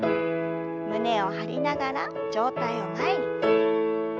胸を張りながら上体を前に。